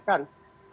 apa yang dikhawatirkan